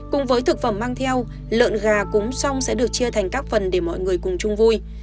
cùng với thực phẩm mang theo lợn gà cúm xong sẽ được chia thành các phần để mọi người cùng chung vui